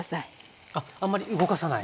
あっあんまり動かさない？